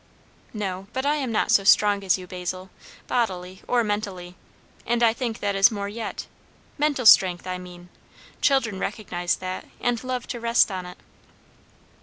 "No but I am not so strong as you, Basil, bodily or mentally. And I think that is more yet mental strength, I mean. Children recognise that, and love to rest on it."